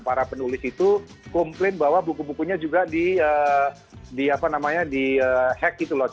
para penulis itu komplain bahwa buku bukunya juga di hack gitu loh